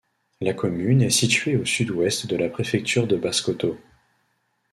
La commune est située au sud-ouest de la préfecture de Basse-Kotto.